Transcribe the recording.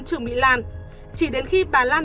trương mỹ lan chỉ đến khi bà lan